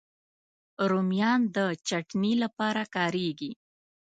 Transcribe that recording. رومیان د چټني لپاره کارېږي